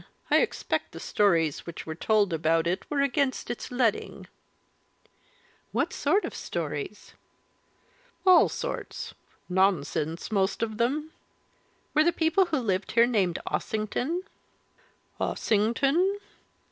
I expect the stories which were told about it were against its letting." "What sort of stories?" "All sorts nonsense, most of them." "Were the people who lived here named Ossington?" "Ossington?"